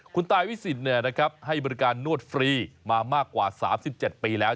คุณตายวิสิตให้บริการนวดฟรีมามากกว่า๓๗ปีแล้ว